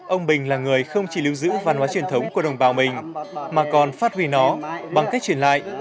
ông bình là người không chỉ lưu giữ văn hóa truyền thống của đồng bào mình mà còn phát huy nó bằng cách truyền lại